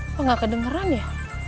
apa gak kedengeran ya